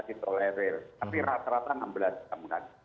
jadi mereka yang puasa di rata rata yang perhitungan